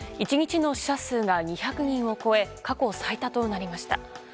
１日の死者数が２００人を超え過去最多となりました。